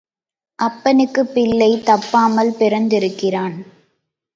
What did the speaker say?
அப்பனுக்குப் பிள்ளை தப்பாமல் பிறந்திருக்கிறான்.